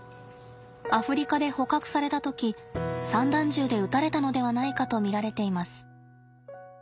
アフリカで捕獲された時散弾銃で撃たれたのではないかと見られています。